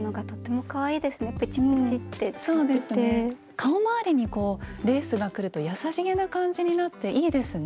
顔まわりにこうレースがくると優しげな感じになっていいですね。